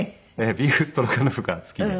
ビーフストロガノフが好きで。